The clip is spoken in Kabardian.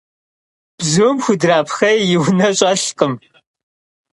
Bzum xudrapxhêy yi vune ş'elhkım.